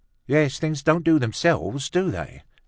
"Yes, things don't do themselves, do they?"